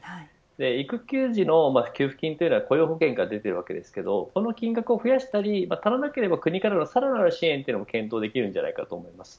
育休時の給付金は雇用保険から出ているわけですけどその金額を増やしたり足らなければ国からのさらなる支援も検討できるのではと思います。